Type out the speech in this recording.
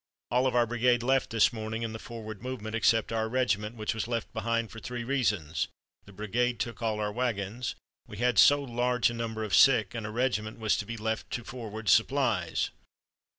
All of our brigade left this morning in the forward movement except our regiment, which was left behind for three reasons the brigade took all our wagons, we had so large a number of sick, and a regiment was to be left to forward supplies.